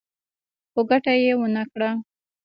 خو ګټه يې ونه کړه.